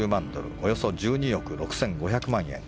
およそ１２億６５００万円。